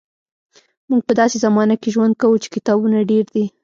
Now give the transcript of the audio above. موږ په داسې زمانه کې ژوند کوو چې کتابونه ډېر دي.